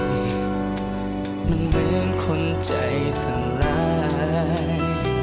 เหมือนคนใจสลาย